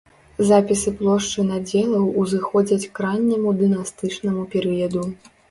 Запісы плошчы надзелаў узыходзяць к ранняму дынастычнаму перыяду.